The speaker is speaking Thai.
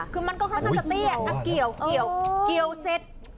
คือมันก็ค่อนข้างจะเตี้ยเกี่ยวเกี่ยวเสร็จ